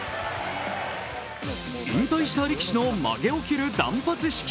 引退した力士の曲げを切る断髪式。